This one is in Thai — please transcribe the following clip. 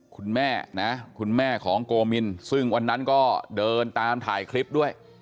คุณแม่นะคุณแม่ของโกมินซึ่งวันนั้นก็เดินตามถ่ายคลิปด้วย